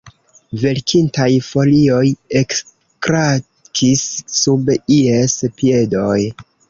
Velkintaj folioj ekkrakis sub ies piedoj.